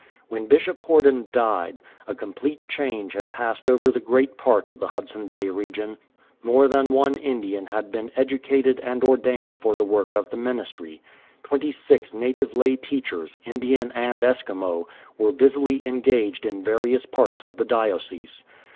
When Bishop Horden died, a com plete change had passed over the great part of the Hudson Bay region. More than one Indian had been educated and ordained for the work of the ministry. Twenty six native lay teachers, Indian and Eskimo, were busily engaged in various parts of the diocese.